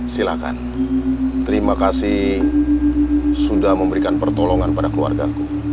silakan terima kasih sudah memberikan pertolongan pada keluarga ku